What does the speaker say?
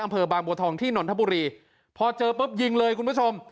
อำเภอบางบัวทองที่นนทบุรีพอเจอปุ๊บยิงเลยคุณผู้ชม